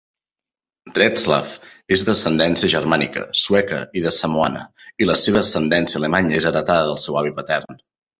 Retzlaff és d'ascendència germànica, sueca i de samoana, i la seva ascendència alemanya és heretada del seu avi patern.